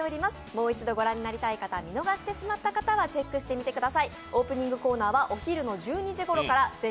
もう一度ご覧になりたい方見逃した方はチェックしてみてください。